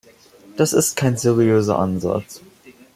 Das ist kein seriöser Ansatz.